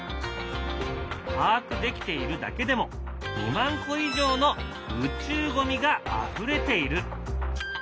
把握できているだけでも２万個以上の宇宙ゴミがあふれている。